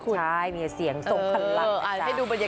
แค่นี้แหละนะจ๊ะ